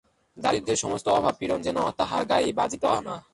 দারিদ্র্যের সমস্ত অভাবপীড়ন যেন তাঁহার গায়েই বাজিত না।